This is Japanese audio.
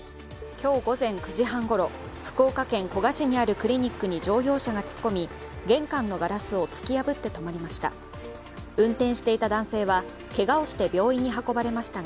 今日午前９時半ごろ、福岡県古賀市にあるクリニックに乗用車が突っ込み、玄関のガラスを突き破って止まりました。